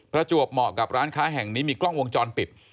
ประจวบเหมาะกับร้านค้าแห่งนี้มีกล้องวงจรปิด